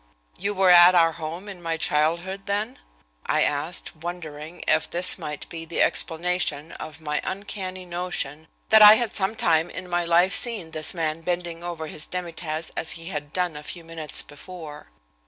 "You were at our home in my childhood, then?" I asked, wondering if this might be the explanation of my uncanny notion that I had sometime in my life seen this man bending over his demitasse as he had done a few minutes before.